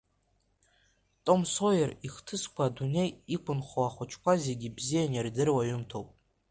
Том Соиер ихҭысқәа адунеи иқәынхо ахәыҷқәа зегьы ибзиан ирдыруа ҩымҭоуп.